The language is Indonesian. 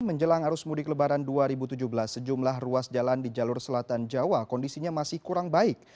menjelang arus mudik lebaran dua ribu tujuh belas sejumlah ruas jalan di jalur selatan jawa kondisinya masih kurang baik